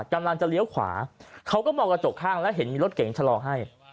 กำลังจะเลี้ยวขวาเขาก็มองกระจกข้างแล้วเห็นมีรถเก๋งชะลอให้